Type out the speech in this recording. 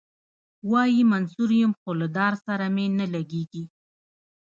وايي منصور یم خو له دار سره مي نه لګیږي.